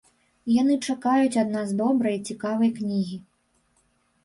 Яны чакаюць ад нас добрай і цікавай кнігі.